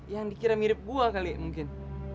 yang dikira mirip buah kali mungkin